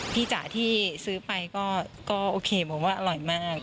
จ๋าที่ซื้อไปก็โอเคผมว่าอร่อยมาก